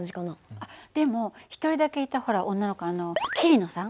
あっでも１人だけいたほら女の子あの桐野さん？